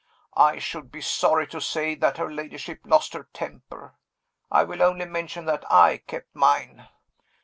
I should be sorry to say that her ladyship lost her temper I will only mention that I kept mine.